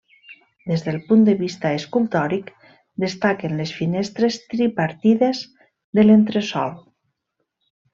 Des del punt de vista escultòric, destaquen les finestres tripartides de l'entresòl.